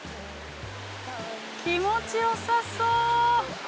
気持ちよさそう。